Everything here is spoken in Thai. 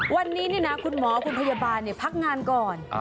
วันนี้คุณหมอคุณพยาบาลพักงานก่อน